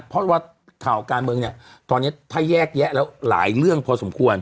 เพราะว่าข่าวการเมืองเนี่ยตอนนี้ถ้าแยกแยะแล้วหลายเรื่องพอสมควร